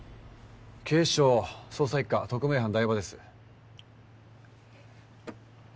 警視庁捜査一課特命班台場です。